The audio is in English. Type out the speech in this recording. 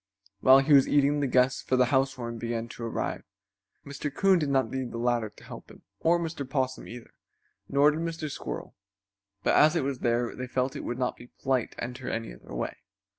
While he was eating the guests for the housewarming began to arrive. Mr. Coon did not need the ladder to help him, or Mr. Possum, either, nor did Mr. Squirrel, but as it was there they felt it would not be polite to enter any other way.